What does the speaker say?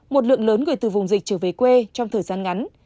một lượng lớn người từ vùng dịch trở về quê trong thời gian ngắn